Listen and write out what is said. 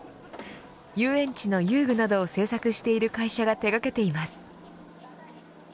遊園地の遊具などを制作している会社が手掛けています。